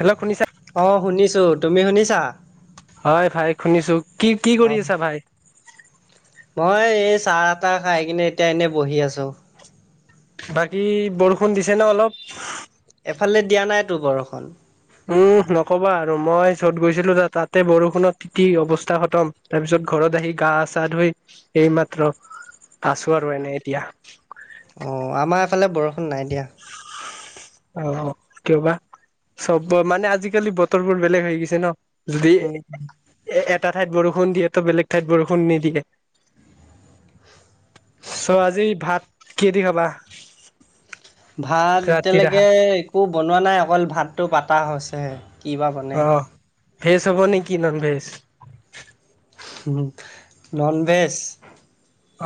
Hello শুনিছা? অ শুনিছো। তুমি শুনিছা? হয় ভাই শুনিছো। কি কি অ কৰি আছা ভাই? মই এই চাহ-তাহ খাই কিনে এতিয়া এনেই বহি আছো। বাকী বৰষুণ দিছে নে অলপ? এফালে দিয়া নাই তো বৰষুণ। উহ নকবা আৰু মই য'ত গৈছিলো ত তাতে বৰষুণত তিতি অৱস্থা খতম তাৰ পিছত ঘৰত ঘৰত আহি গা চা ধুই সেই মাত্ৰ আছো আৰু এনেই এতিয়া। অ আমাৰ এফালে বৰষুণ নাই দিয়া। অ কিয় বা, চব মানে আজিকালি বতৰবোৰ বেলেগ হৈ গৈছে ন। যদি উম এ এটা ঠাইত বৰষুণ দিয়ে ত বেলেগ ঠাইত বৰষুণ নিদিয়ে। চ আজি ভাত কিহেদি খাবা? ভাত ৰাতিৰ এতিয়ালৈকে আহাৰ? একো বনোৱা নাই অকল ভাতটো পাতা হৈছেহে। কিবা বনে। অ ভেজ হ'ব নে কি ননভেজ? উম ননভেজ।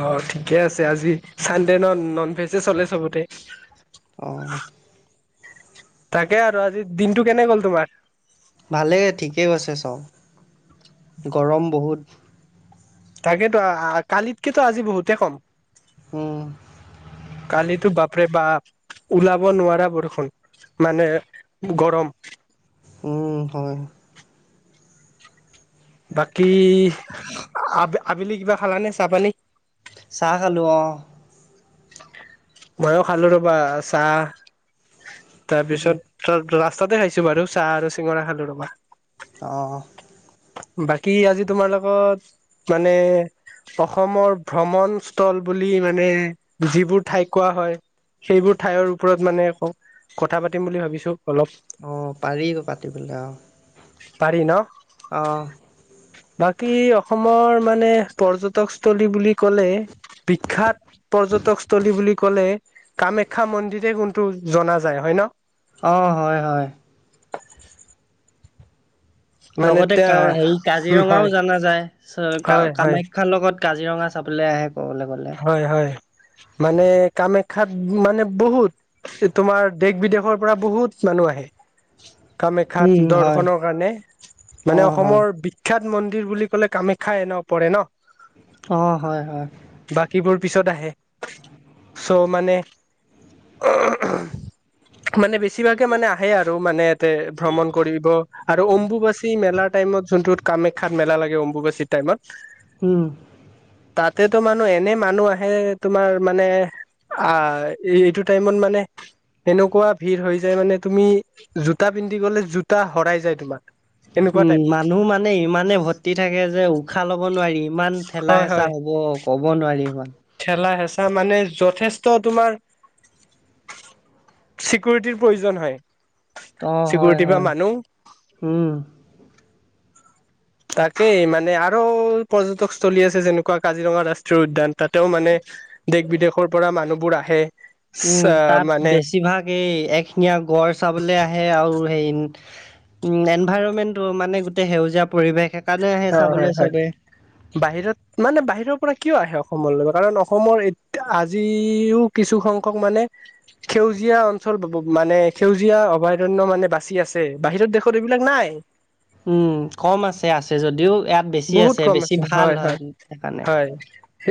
অ ঠিকে আছে আজি চানডে ন নন ভেজে চলে চবতে। অ। তাকে আৰু আজি দিনটো কেনে গ'ল তোমাৰ? ভালেই ঠিকেই গৈছে চব গৰম বহুত। তাকেতো কালিতকেতো আজি বহুতে কম। উম কালিতো বাপ পৰে বাপ ওলাব নোৱাৰা বৰষুণ মানে গৰম। উম হয়। বাকী আ আবেলি কিবা খালানে চাহ পানী? চাহ খালো অ। মইয়ো খালো ৰবা চাহ তাৰপিছত ৰাস্তাতে খাইছো বাৰু চাহ আৰু চিঙৰা খালো ৰবা। অ। বাকী আজি তোমাৰ লগত মানে অসমৰ ভ্ৰমণস্থল বুলি মানে যিবোৰ ঠাইক কোৱা হয় সেইবোৰ ঠাইৰ ওপৰত মানে কথা পাতিম বুলি ভাবিছো অলপ। অ পাৰিও পাতিবলে অহ। পাৰি ন? অ। বাকী অসমৰ মানে পৰ্যটকস্থলী বুলি ক'লে বিখ্যাত পৰ্যটকস্থলী বুলি ক'লে কামাখ্যা মন্দিৰেই কোনটো জনা যায় হয় ন? অ হয় হয়। [unintelligible] মানে লগতে তে কা হেৰি হয় কাজিৰঙাও জানা যায় ক হয় হয় কামাখ্যাৰ লগত কাজিৰঙা চাবলে আহে। ক'বলৈ গ'লে। হয় হয়। মানে কামাখ্যাত মানে বহুত তোমাৰ দেশ বিদেশৰ পৰা বহুত মানু মানুহ আহে কামাখ্যাত উম হয় দৰ্শনৰ কাৰণে অ মানে হয় অসমৰ বিখ্যাত মন্দিৰ বুলি ক'লে কামাখ্যাই ন পৰে ন। অ হয় হয়। বাকীবোৰ পিছত আহে চ' মানে মানে বেছিভাগে মানে আহে আৰু মানে ভ্ৰমণ কৰিব আৰু অম্বুবচী মেলা টাইমত যোনটো কামাখ্যাত মেলা লাগে অম্বুগাছী টাইমত হুম, তাতেতো মানুহ এনে মানুহ আহে তোমাৰ মানে আ, এইটো টাইমত মানে তেনেকুৱা ভিৰ হৈ যায় মানে তুমি জোতা পিন্ধি গলে জোতা হৰাই যায় তোমাৰ। এনেকুৱা উম, টাইপ মানুহ মানে ইমানে ভৰ্তি থাকে যে উশাহ লব নোৱাৰি। ইমান ঠেলা হয় হেঁচা হয় হ'ব ক'ব নোৱাৰি ইমান। ত' মানে যথেষ্ট তোমাৰ চিকিউৰিটিৰ প্ৰয়োজন হয়। অ', হয়, চিকিউৰিটি বা হয়, মানুহ উম, তাকেই মানে আৰু পৰ্যটকস্থলী আছে যেনেকুৱা কাজিৰঙা ৰাষ্ট্ৰীয় উদ্যান তাতেও মানে দেশ বিদেশৰ পৰা মানুহবোৰ আহে। উম, তাত মানে বেছিভাগ এই এক শিঙিয়ীয়া গড় চাবলে আহে আৰু হেৰি উম, এনভাইৰনমেন্ট মানে গোটেই সেউজীয়া পৰিৱেশ এক হয়, হয়, হয়, বাহিৰত মানে বাহিৰৰ পৰা কিয় আহে? অসম ল কাৰণ অসমৰ আজিও কিছুসংখ্যকক মানে সেউজীয়া অঞ্চল মানে সেউজীয়া অভয়াৰণ্য মানে বাচি আছে বাহিৰত দেশত এইবিলাক নাই। উম, কম আছে আছে যদিও। ইয়াত বেছি বহুত কম বেছি আছে ভাল হয়, হয়, সেইকাৰণে। হয়,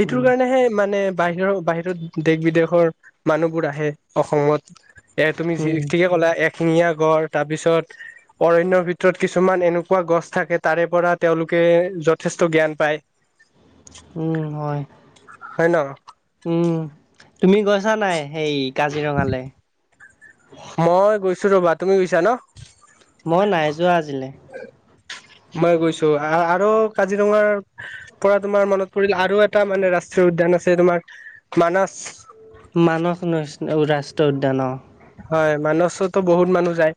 এইটোৰ উম, কাৰণেহে মানে বাহিৰৰ বাহিৰত দেশ বিদেশৰ মানুহবোৰ আহে অসমত। এ তুমি উম, ঠিকে ক'লা এক শিঙিয়া গড়, তাৰ পিছত অৰণ্যৰ ভিতৰত কিছুমান এনেকুৱা গছ থাকে তাৰে পৰা তেওঁলোক কে যথেষ্ট জ্ঞান পায়। উম, হয় হয় ন উম, তুমি গৈছা নাই সেই কাজিৰঙালে। চ ৰ'বা তুমি গুইছা ন? মই নাই যোৱা আজিলে। [inaudible] মই গৈছো আৰু কাজিৰঙাৰ পৰা তোমাৰ মনত পৰিল আৰু এটা মানে ৰাষ্ট্ৰীয় উদ্যান। খন আছে তোমাৰ মানছ মানস নে ৰাষ্ট্ৰীয় উদ্যান অ', হয়, মানসতো বহুত মানুহ যায়।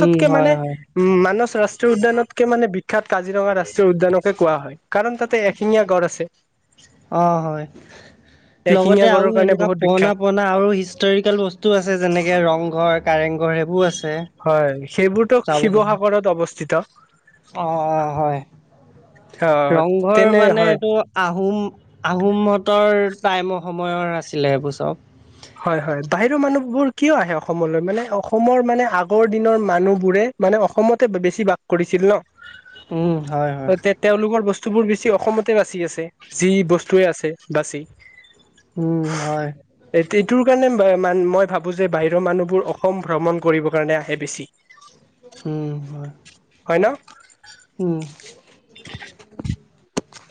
উম, মানে হয়, হয়। উম, মানচ ৰাষ্ট্ৰীয় উদ্যানতকে মানে বিখ্যাত কাজিৰঙা ৰাষ্ট্ৰীয় উদ্যানকে কোৱা হয় কাৰণ তাতে এশিঙীয়া গড় আছে। অ', হয়, এশিঙীয়া লগতে গড়ৰ আৰু কাৰণে সেনেকুৱা বহুত পুৰনা বিখ্যাত পুৰনা আৰু হিষ্টৰিকেল বস্তু আছে। আছে যেনেকে ৰংঘৰ কাৰেংঘৰ সেইবোৰ আছে। হয় সেইবোৰতো চাব গলে শিৱসাগৰত অৱস্থিত অ', অ', হয়। অ ৰংঘৰ তেনে মানে হয় এইটো আহোম আহোম হতৰ টাইমৰ সময়ৰ আছিলে এইবোৰ চব। হয়, হয়, বাহিৰৰ মানুহবোৰ কিয় আহে অসমলৈ মানে অসমৰ মানে আগৰ দিনৰ মানুহবোৰে মানে অসমতে বেছি বাস কৰিছিল ন'। উম, হয়, হয়, তে তেওঁলোকৰ বস্তুবোৰ বেছি অসমতে বাচি আছে যি বস্তুৱে আছে বাচি। উম, হয়। এইটোৰ কাৰণে মান মই ভাবো যে বাহিৰৰ মানুহবোৰ অসম ভ্ৰমণ কৰিব কাৰণে আহে বেছি। উম, হয়, হয় ন উম,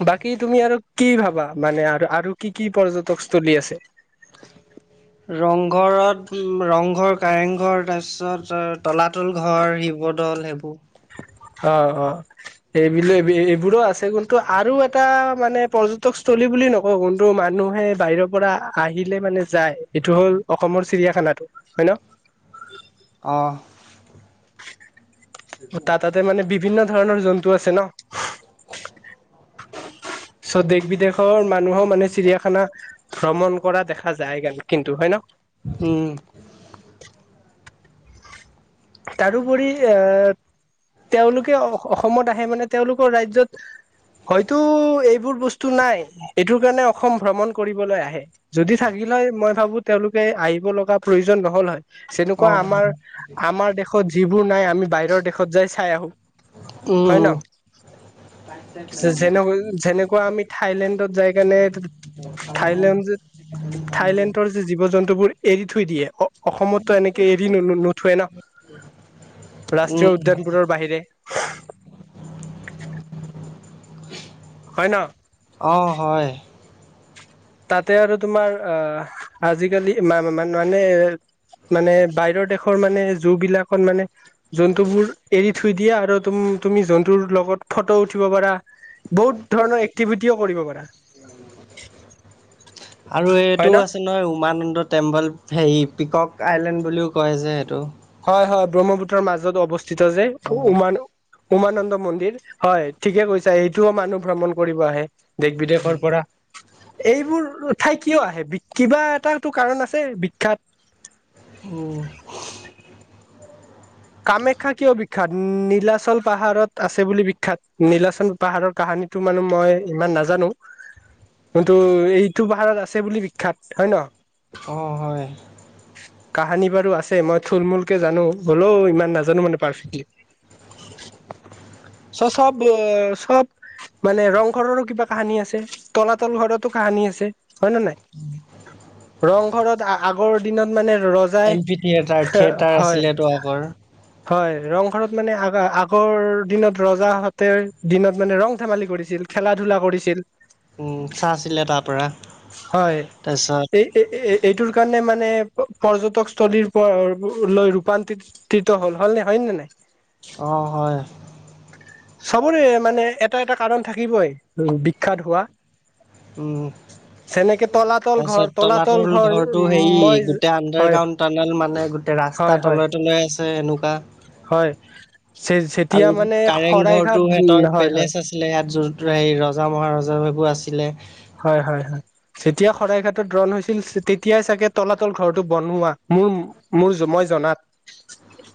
বাকী তুমি আৰু কি ভাবা মানে আৰু আৰু কি কি পৰ্যটকস্থলী আছে। [inaudible] ৰংঘৰত ৰংঘৰ, কাৰেং ঘৰ তাৰ পিছত তলাতল ঘৰ শিৱদৌল সেইবোৰ। অ', অ'। সেইবিলো এই এইবোৰো আছে কিন্তু আৰু এটা মানে পৰ্যটকস্থথলী বুলি নকওঁ। কিন্তু মানুহ মানুহে বাহিৰৰ পৰা আহিলে মানে যায় এইটো হ'ল অসমৰ চিৰিয়াখানাটো হয় ন। [inaudible] অহ। তাৰ তাতে মানে বিভিন্ন ধৰণৰ জন্তু আছে ন। [inaudible] চ' দেশ বিদেশৰ মানুহৰ মানে চিৰিয়াখানা ভ্ৰমণ কৰা দেখা যায় গ কিন্তু হয় ন। উম। তাৰোওপৰি আহ তেওঁলোকে অসমত আহে মানে তেওঁলোকৰ ৰাজ্যত হয়তো এইবোৰ বস্তু নাই। এইটোৰ কাৰণে অসম ভ্ৰমণ কৰিবলৈ আহে। যদি থাকি হয় মই ভাবো তেওঁলোকে আহিব লগা প্ৰয়োজন নহ'ল হয়। তেনেকুৱা অ', আমাৰ আমাৰ দেশত যিবোৰ নাই আমি বাহিৰৰ দেশত যাই চাই আহো। উম। যেনেক যেনেকুৱা আমি থাইলেণ্ডত যায় কাৰণে থাইলেণ্ড যে থাইলেণ্ডৰ যে জীৱ জন্তুবোৰ এৰি থৈ দিয়ে অ-অসমতো এনেকে এৰি ন-নথৈ ন। ৰাষ্ট্ৰীয় উম, উদ্যানবোৰৰ বাহিৰে। হয় ন অ', হয়। তাতে আৰু তোমাৰ অ-আজিকালি মা-মা-মানে মানে বাহিৰৰ দেশৰ মানে জুবিলাকত মানে জন্তুবোৰ এৰি থৈ দিয়ে আৰু তুমি জন্তুৰ লগত বহুত ফটো উঠিব পৰা বহুত ধৰণৰ এক্টিভিটিও কৰিব পাৰা। আৰু হয় এইটো ন আছে নহয় উমান এইটো টেম্পল হেৰি পিকক আইলেণ্ড বুলিও কয় যে সেইটো। হয়, হয় ব্ৰহ্মপুত্ৰৰ মাজত অৱস্থিত যে অ', উমানো। উমানন্দ মন্দিৰ। হয়, ঠিকে কৈছা সেইটোও মানুহ ভ্ৰমণ কৰিব আহে। দেশ বিদেশৰ উম। পৰা। এইবোৰ ঠাই কিয় আহে কিবা এটাটো কাৰণ আছে বিখ্যাত উম। কামাখ্যা কিয় বিখ্যাত নীলাচল পাহাৰত আছে বুলি বিখ্যাত নীলাচল পাহাৰ কাহানী। [unintelligible] মানে মই ইমান নাজানো। কিন্তু এইটো পাহাৰত আছে বুলি বিখ্যাত হয় ন। অ', হয়। কাহানী বাৰু আছে মই থুল মূলকে জানো। হ'লেও ইমান নাজানো মানে পাৰফেক্টলি। চ' চব চব মানে ৰং ঘৰৰো কিবা কাহানী আছে, তলাতল ঘৰতো কাহানী আছে। হয় নে নাই। ৰংঘৰত আগৰ দিনত মানে ৰজাই এম পি থিয়েটাৰ, থিয়েটাৰ হয়। আছিলেতো আগৰ। হয়, ৰংঘৰত মানে আ-আগৰ দিনত ৰজাহঁতে দিনত মানে ৰং ধেমালি কৰিছিল। খেলা ধূলা কৰিছিল। উম, চাইছিলে তাৰ পৰা। হয় তাৰপিছত এই এইটোৰ কাৰণে মানে পৰ্যটকস্থথলীৰ পৰ লৈ ৰূপান্তৰি তিত হ'ল। হ'ল নে হয় নে নাই? অ', হয়। চবৰে মানে এটা এটা কাৰণ থাকিবই বিখ্যাত হোৱা। উম। যেনেকে তলাতল ঘৰ তাৰপিছত তলাতল ঘৰ ঘৰটো হেৰি মই গোটেই আণ্ডাৰ হয় গ্ৰাউণ্ড টানেল মানে গোটেই হয় ৰাস্তা হয় তলে তলে আছে এনেকুৱা। হয়। যেতিয়া আৰু মানে কাৰেং শৰাইঘাট ঘৰটো সিহঁতৰ হয় হয় পেলেচ আছিলে ৰাজ্যৰ। হেৰি ৰজা মহাৰজ সেবোৰ আছিলে। হয় হয় হয় যেতিয়া শৰাইঘাটত ৰণ হৈছিল তেতিয়াই চাগে তলাতল ঘৰটো বনোৱা। মোৰ মোৰ মই জনাত।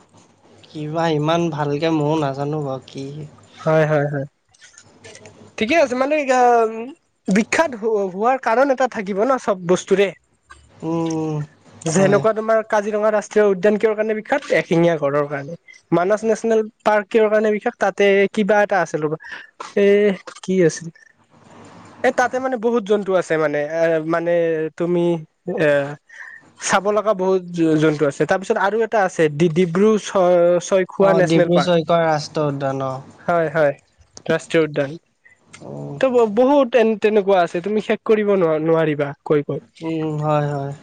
কিবা ইমান ভালকে মইয়ো নাজানো বাৰু কি। হয় হয় হয়। ঠিকে আছে, মানে বিখ্যাত হোৱাৰ কাৰণ এটা থাকিব ন চব বস্তুৰে। উম হয়। যেনেকুৱা তোমাৰ কাজিৰঙা ৰাষ্ট্ৰীয় উদ্যান কিহৰ কাৰণে বিখ্যাত? এশিঙীয়া গঁড়ৰ কাৰণে, মানছ নেচনেল পাৰ্ক কিহৰ কাৰণে বিখ্যাত? তাতে কিবা এটা আছিল ৰ'বা এহ কি আছিলে এ তাতে মানে বহুত জন্তু আছে মানে এ মানে তুমি এ চাব লগা বহুত জন্তু আছে, তাৰপিছত আৰু এটা আছে ডি ডি ডিব্ৰু চৈ অ চৈখোৱা নেচনেল ডিব্ৰু পাৰ্ক, চৈখোৱা ৰাষ্ট্ৰীয় উদ্যান অ হয় হয়। ৰাষ্ট্ৰীয় উদ্যান ত বহুত তেনে তেনেকুৱা আছে তুমি শেষ কৰিব নো নোৱাৰিবা। কৈ কৈ উম, হয় হয়।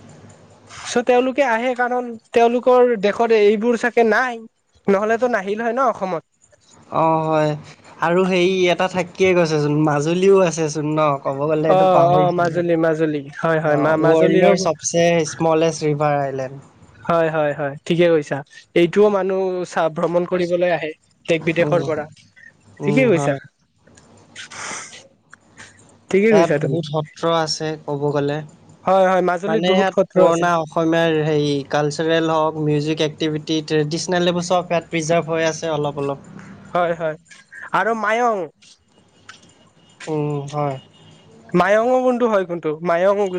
চ' তেওঁলোকে আহে কাৰণ তেওঁলোকৰ দেশত এইবোৰ চাগে নাই, নহলেতো নাহিল হয় ন অসমত। অ হয় আৰু হেৰি এটা থাকিয়ে গৈছেচোন মাজুলীও আছেচোন ন। ক'ব গ'লে এইটো অ' অ' পাহৰিছিলোৱে, মাজুলী মাজুলী হয় অ হয় মা মাজুলীও ৱৰ্ল্ডৰ চবচে স্মলেষ্ট ৰিভাৰ আইলেণ্ড। হয় হয় হয় ঠিকে কৈছা এইটোও মানুহ চা ভ্ৰমণ কৰিবলৈ আহে। দেশ বিদেশৰ উম, পৰা উম, ঠিকেই হয়। কৈছা। ঠিকে ইয়াত কৈছা তুমি বহুত সত্ৰ আছে ক'ব গলে। হয় হয় মাজুলীত মানে বহুত ইয়াত সত্ৰ আছিল পুৰণা অসমীয়াৰ হেৰি কালচাৰেল হওক মিউজিক এক্টিভিটি ট্ৰেডিচনেল এইবোৰ চব ইয়াত প্ৰিজাৰ্ভ হৈ আছে অলপ অলপ। হয় হয় আৰু মাইয়ং। উম হয়। মাইয়ং হয় কিন্তু মাইয়ং যা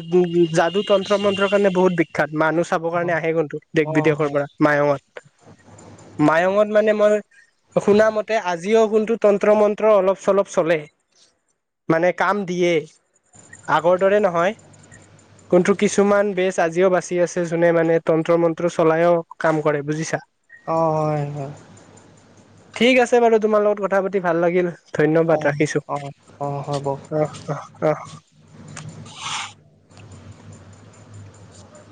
যাদু, তন্ত্ৰ-মন্ত্ৰৰ কাৰণে বহুত বিখ্যাত মানুহ চাবৰ কাৰণে আহে কিন্তু দেশ অ', বিদেশৰ হয়। পৰা মাইয়ঙত। মাইয়ঙত মানে মই শুনা মতে আজি জিও কোনটো তন্ত্ৰ মন্ত্ৰ অলপ চলপ চলে মানে কাম দিয়ে। আগৰ দৰে নহয়। কিন্তু কিছুমান বেজ আজিও বাচি আছে জোনে মানে তন্ত্ৰ মন্ত্ৰ চলাইও কাম কৰে বুজিছা। অ', হয়, হয়। ঠিক আছে বাৰু তোমাৰ লগত কথা পাতি ভাল লাগিল। ধন্যবাদ অ', ৰাখিছো অ', অ', হ'ব। অ অ। [unintelligible]